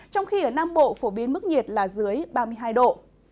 trong khi ở nam bộ phổ biến mức nhiệt là dưới ba mươi hai độ